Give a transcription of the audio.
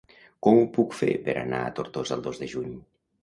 Com ho puc fer per anar a Tortosa el dos de juny?